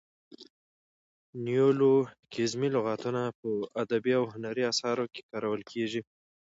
نیولوګیزمي لغاتونه په ادبي او هنري اثارو کښي کارول کیږي.